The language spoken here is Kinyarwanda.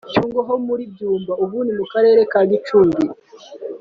Cyungo ho muri Byumba (Ubu ni mu Karere ka Gicumbi)